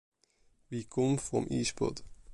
We come from Espot.